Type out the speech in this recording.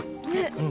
うん。